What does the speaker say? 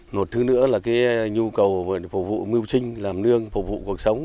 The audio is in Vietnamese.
một thứ nữa là cái nhu cầu phục vụ mưu sinh làm nương phục vụ cuộc sống